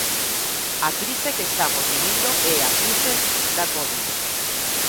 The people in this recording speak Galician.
A crise que estamos vivindo é a crise da covid.